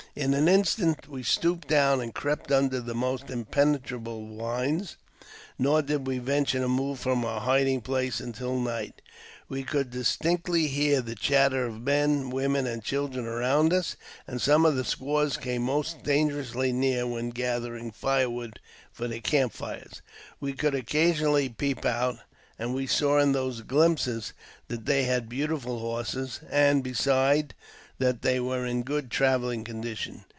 In an instant we stooped down and crept under the almost impenetrable vines, nor did we venture to move from our hiding place until night. We could distinctly hear the chatter of men, women, and children around us, and some of 1 I the squaws came most dangerously near when gathering fire ■ I wood for their camp fires. We could occasionally peep out, and we saw in those glimpses that they had beautiful horses, and, besides, that they were in good travelling condition.